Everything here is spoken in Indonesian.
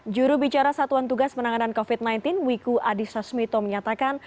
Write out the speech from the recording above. juru bicara satuan tugas penanganan covid sembilan belas wiku adhisa smito menyatakan